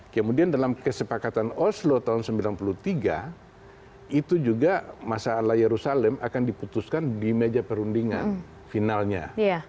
kemudian dalam kesepakatan oslo tahun seribu sembilan ratus sembilan puluh tiga itu juga masalah yerusalem akan diputuskan di meja perundingan finalnya